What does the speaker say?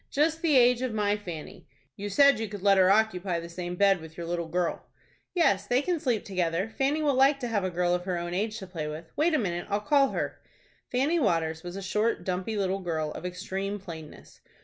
"Just the age of my Fanny." "You said you could let her occupy the same bed with your little girl." "Yes, they can sleep together. Fanny will like to have a girl of her own age to play with. Wait a minute,—I'll call her." Fanny Waters was a short, dumpy little girl, of extreme plainness.